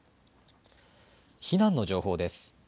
避難の情報です。